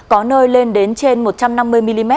có nơi lên đến trên một trăm năm mươi mm